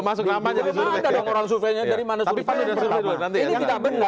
ada orang surveinya dari mana survei